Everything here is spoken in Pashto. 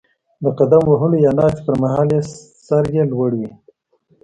د قدم وهلو یا ناستې پر مهال سر یې لوړ وي.